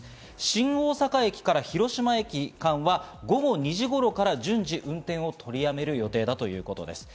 新大阪駅から広島駅間は午後２時頃から順次運転を取りやめる予定だということです。